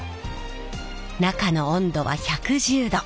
中の温度は１１０℃。